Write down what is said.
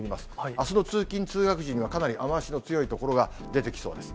あすの通勤・通学時には、かなり雨足の強い所が出てきそうです。